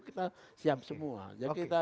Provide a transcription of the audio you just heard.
kita siap semua yang kita